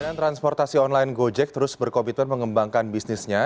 badan transportasi online gojek terus berkomitmen mengembangkan bisnisnya